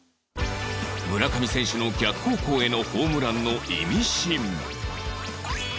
村上選手の逆方向へのホームランのイミシン